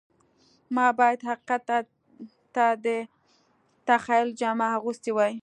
ما باید حقیقت ته د تخیل جامه اغوستې وای